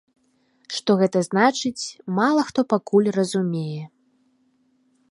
Што гэта значыць, мала хто пакуль разумее.